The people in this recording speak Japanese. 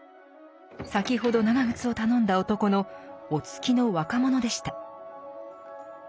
先ほど長靴を頼んだ男のお付きの若者でした。